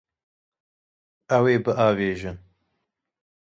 Ew ê biavêjin.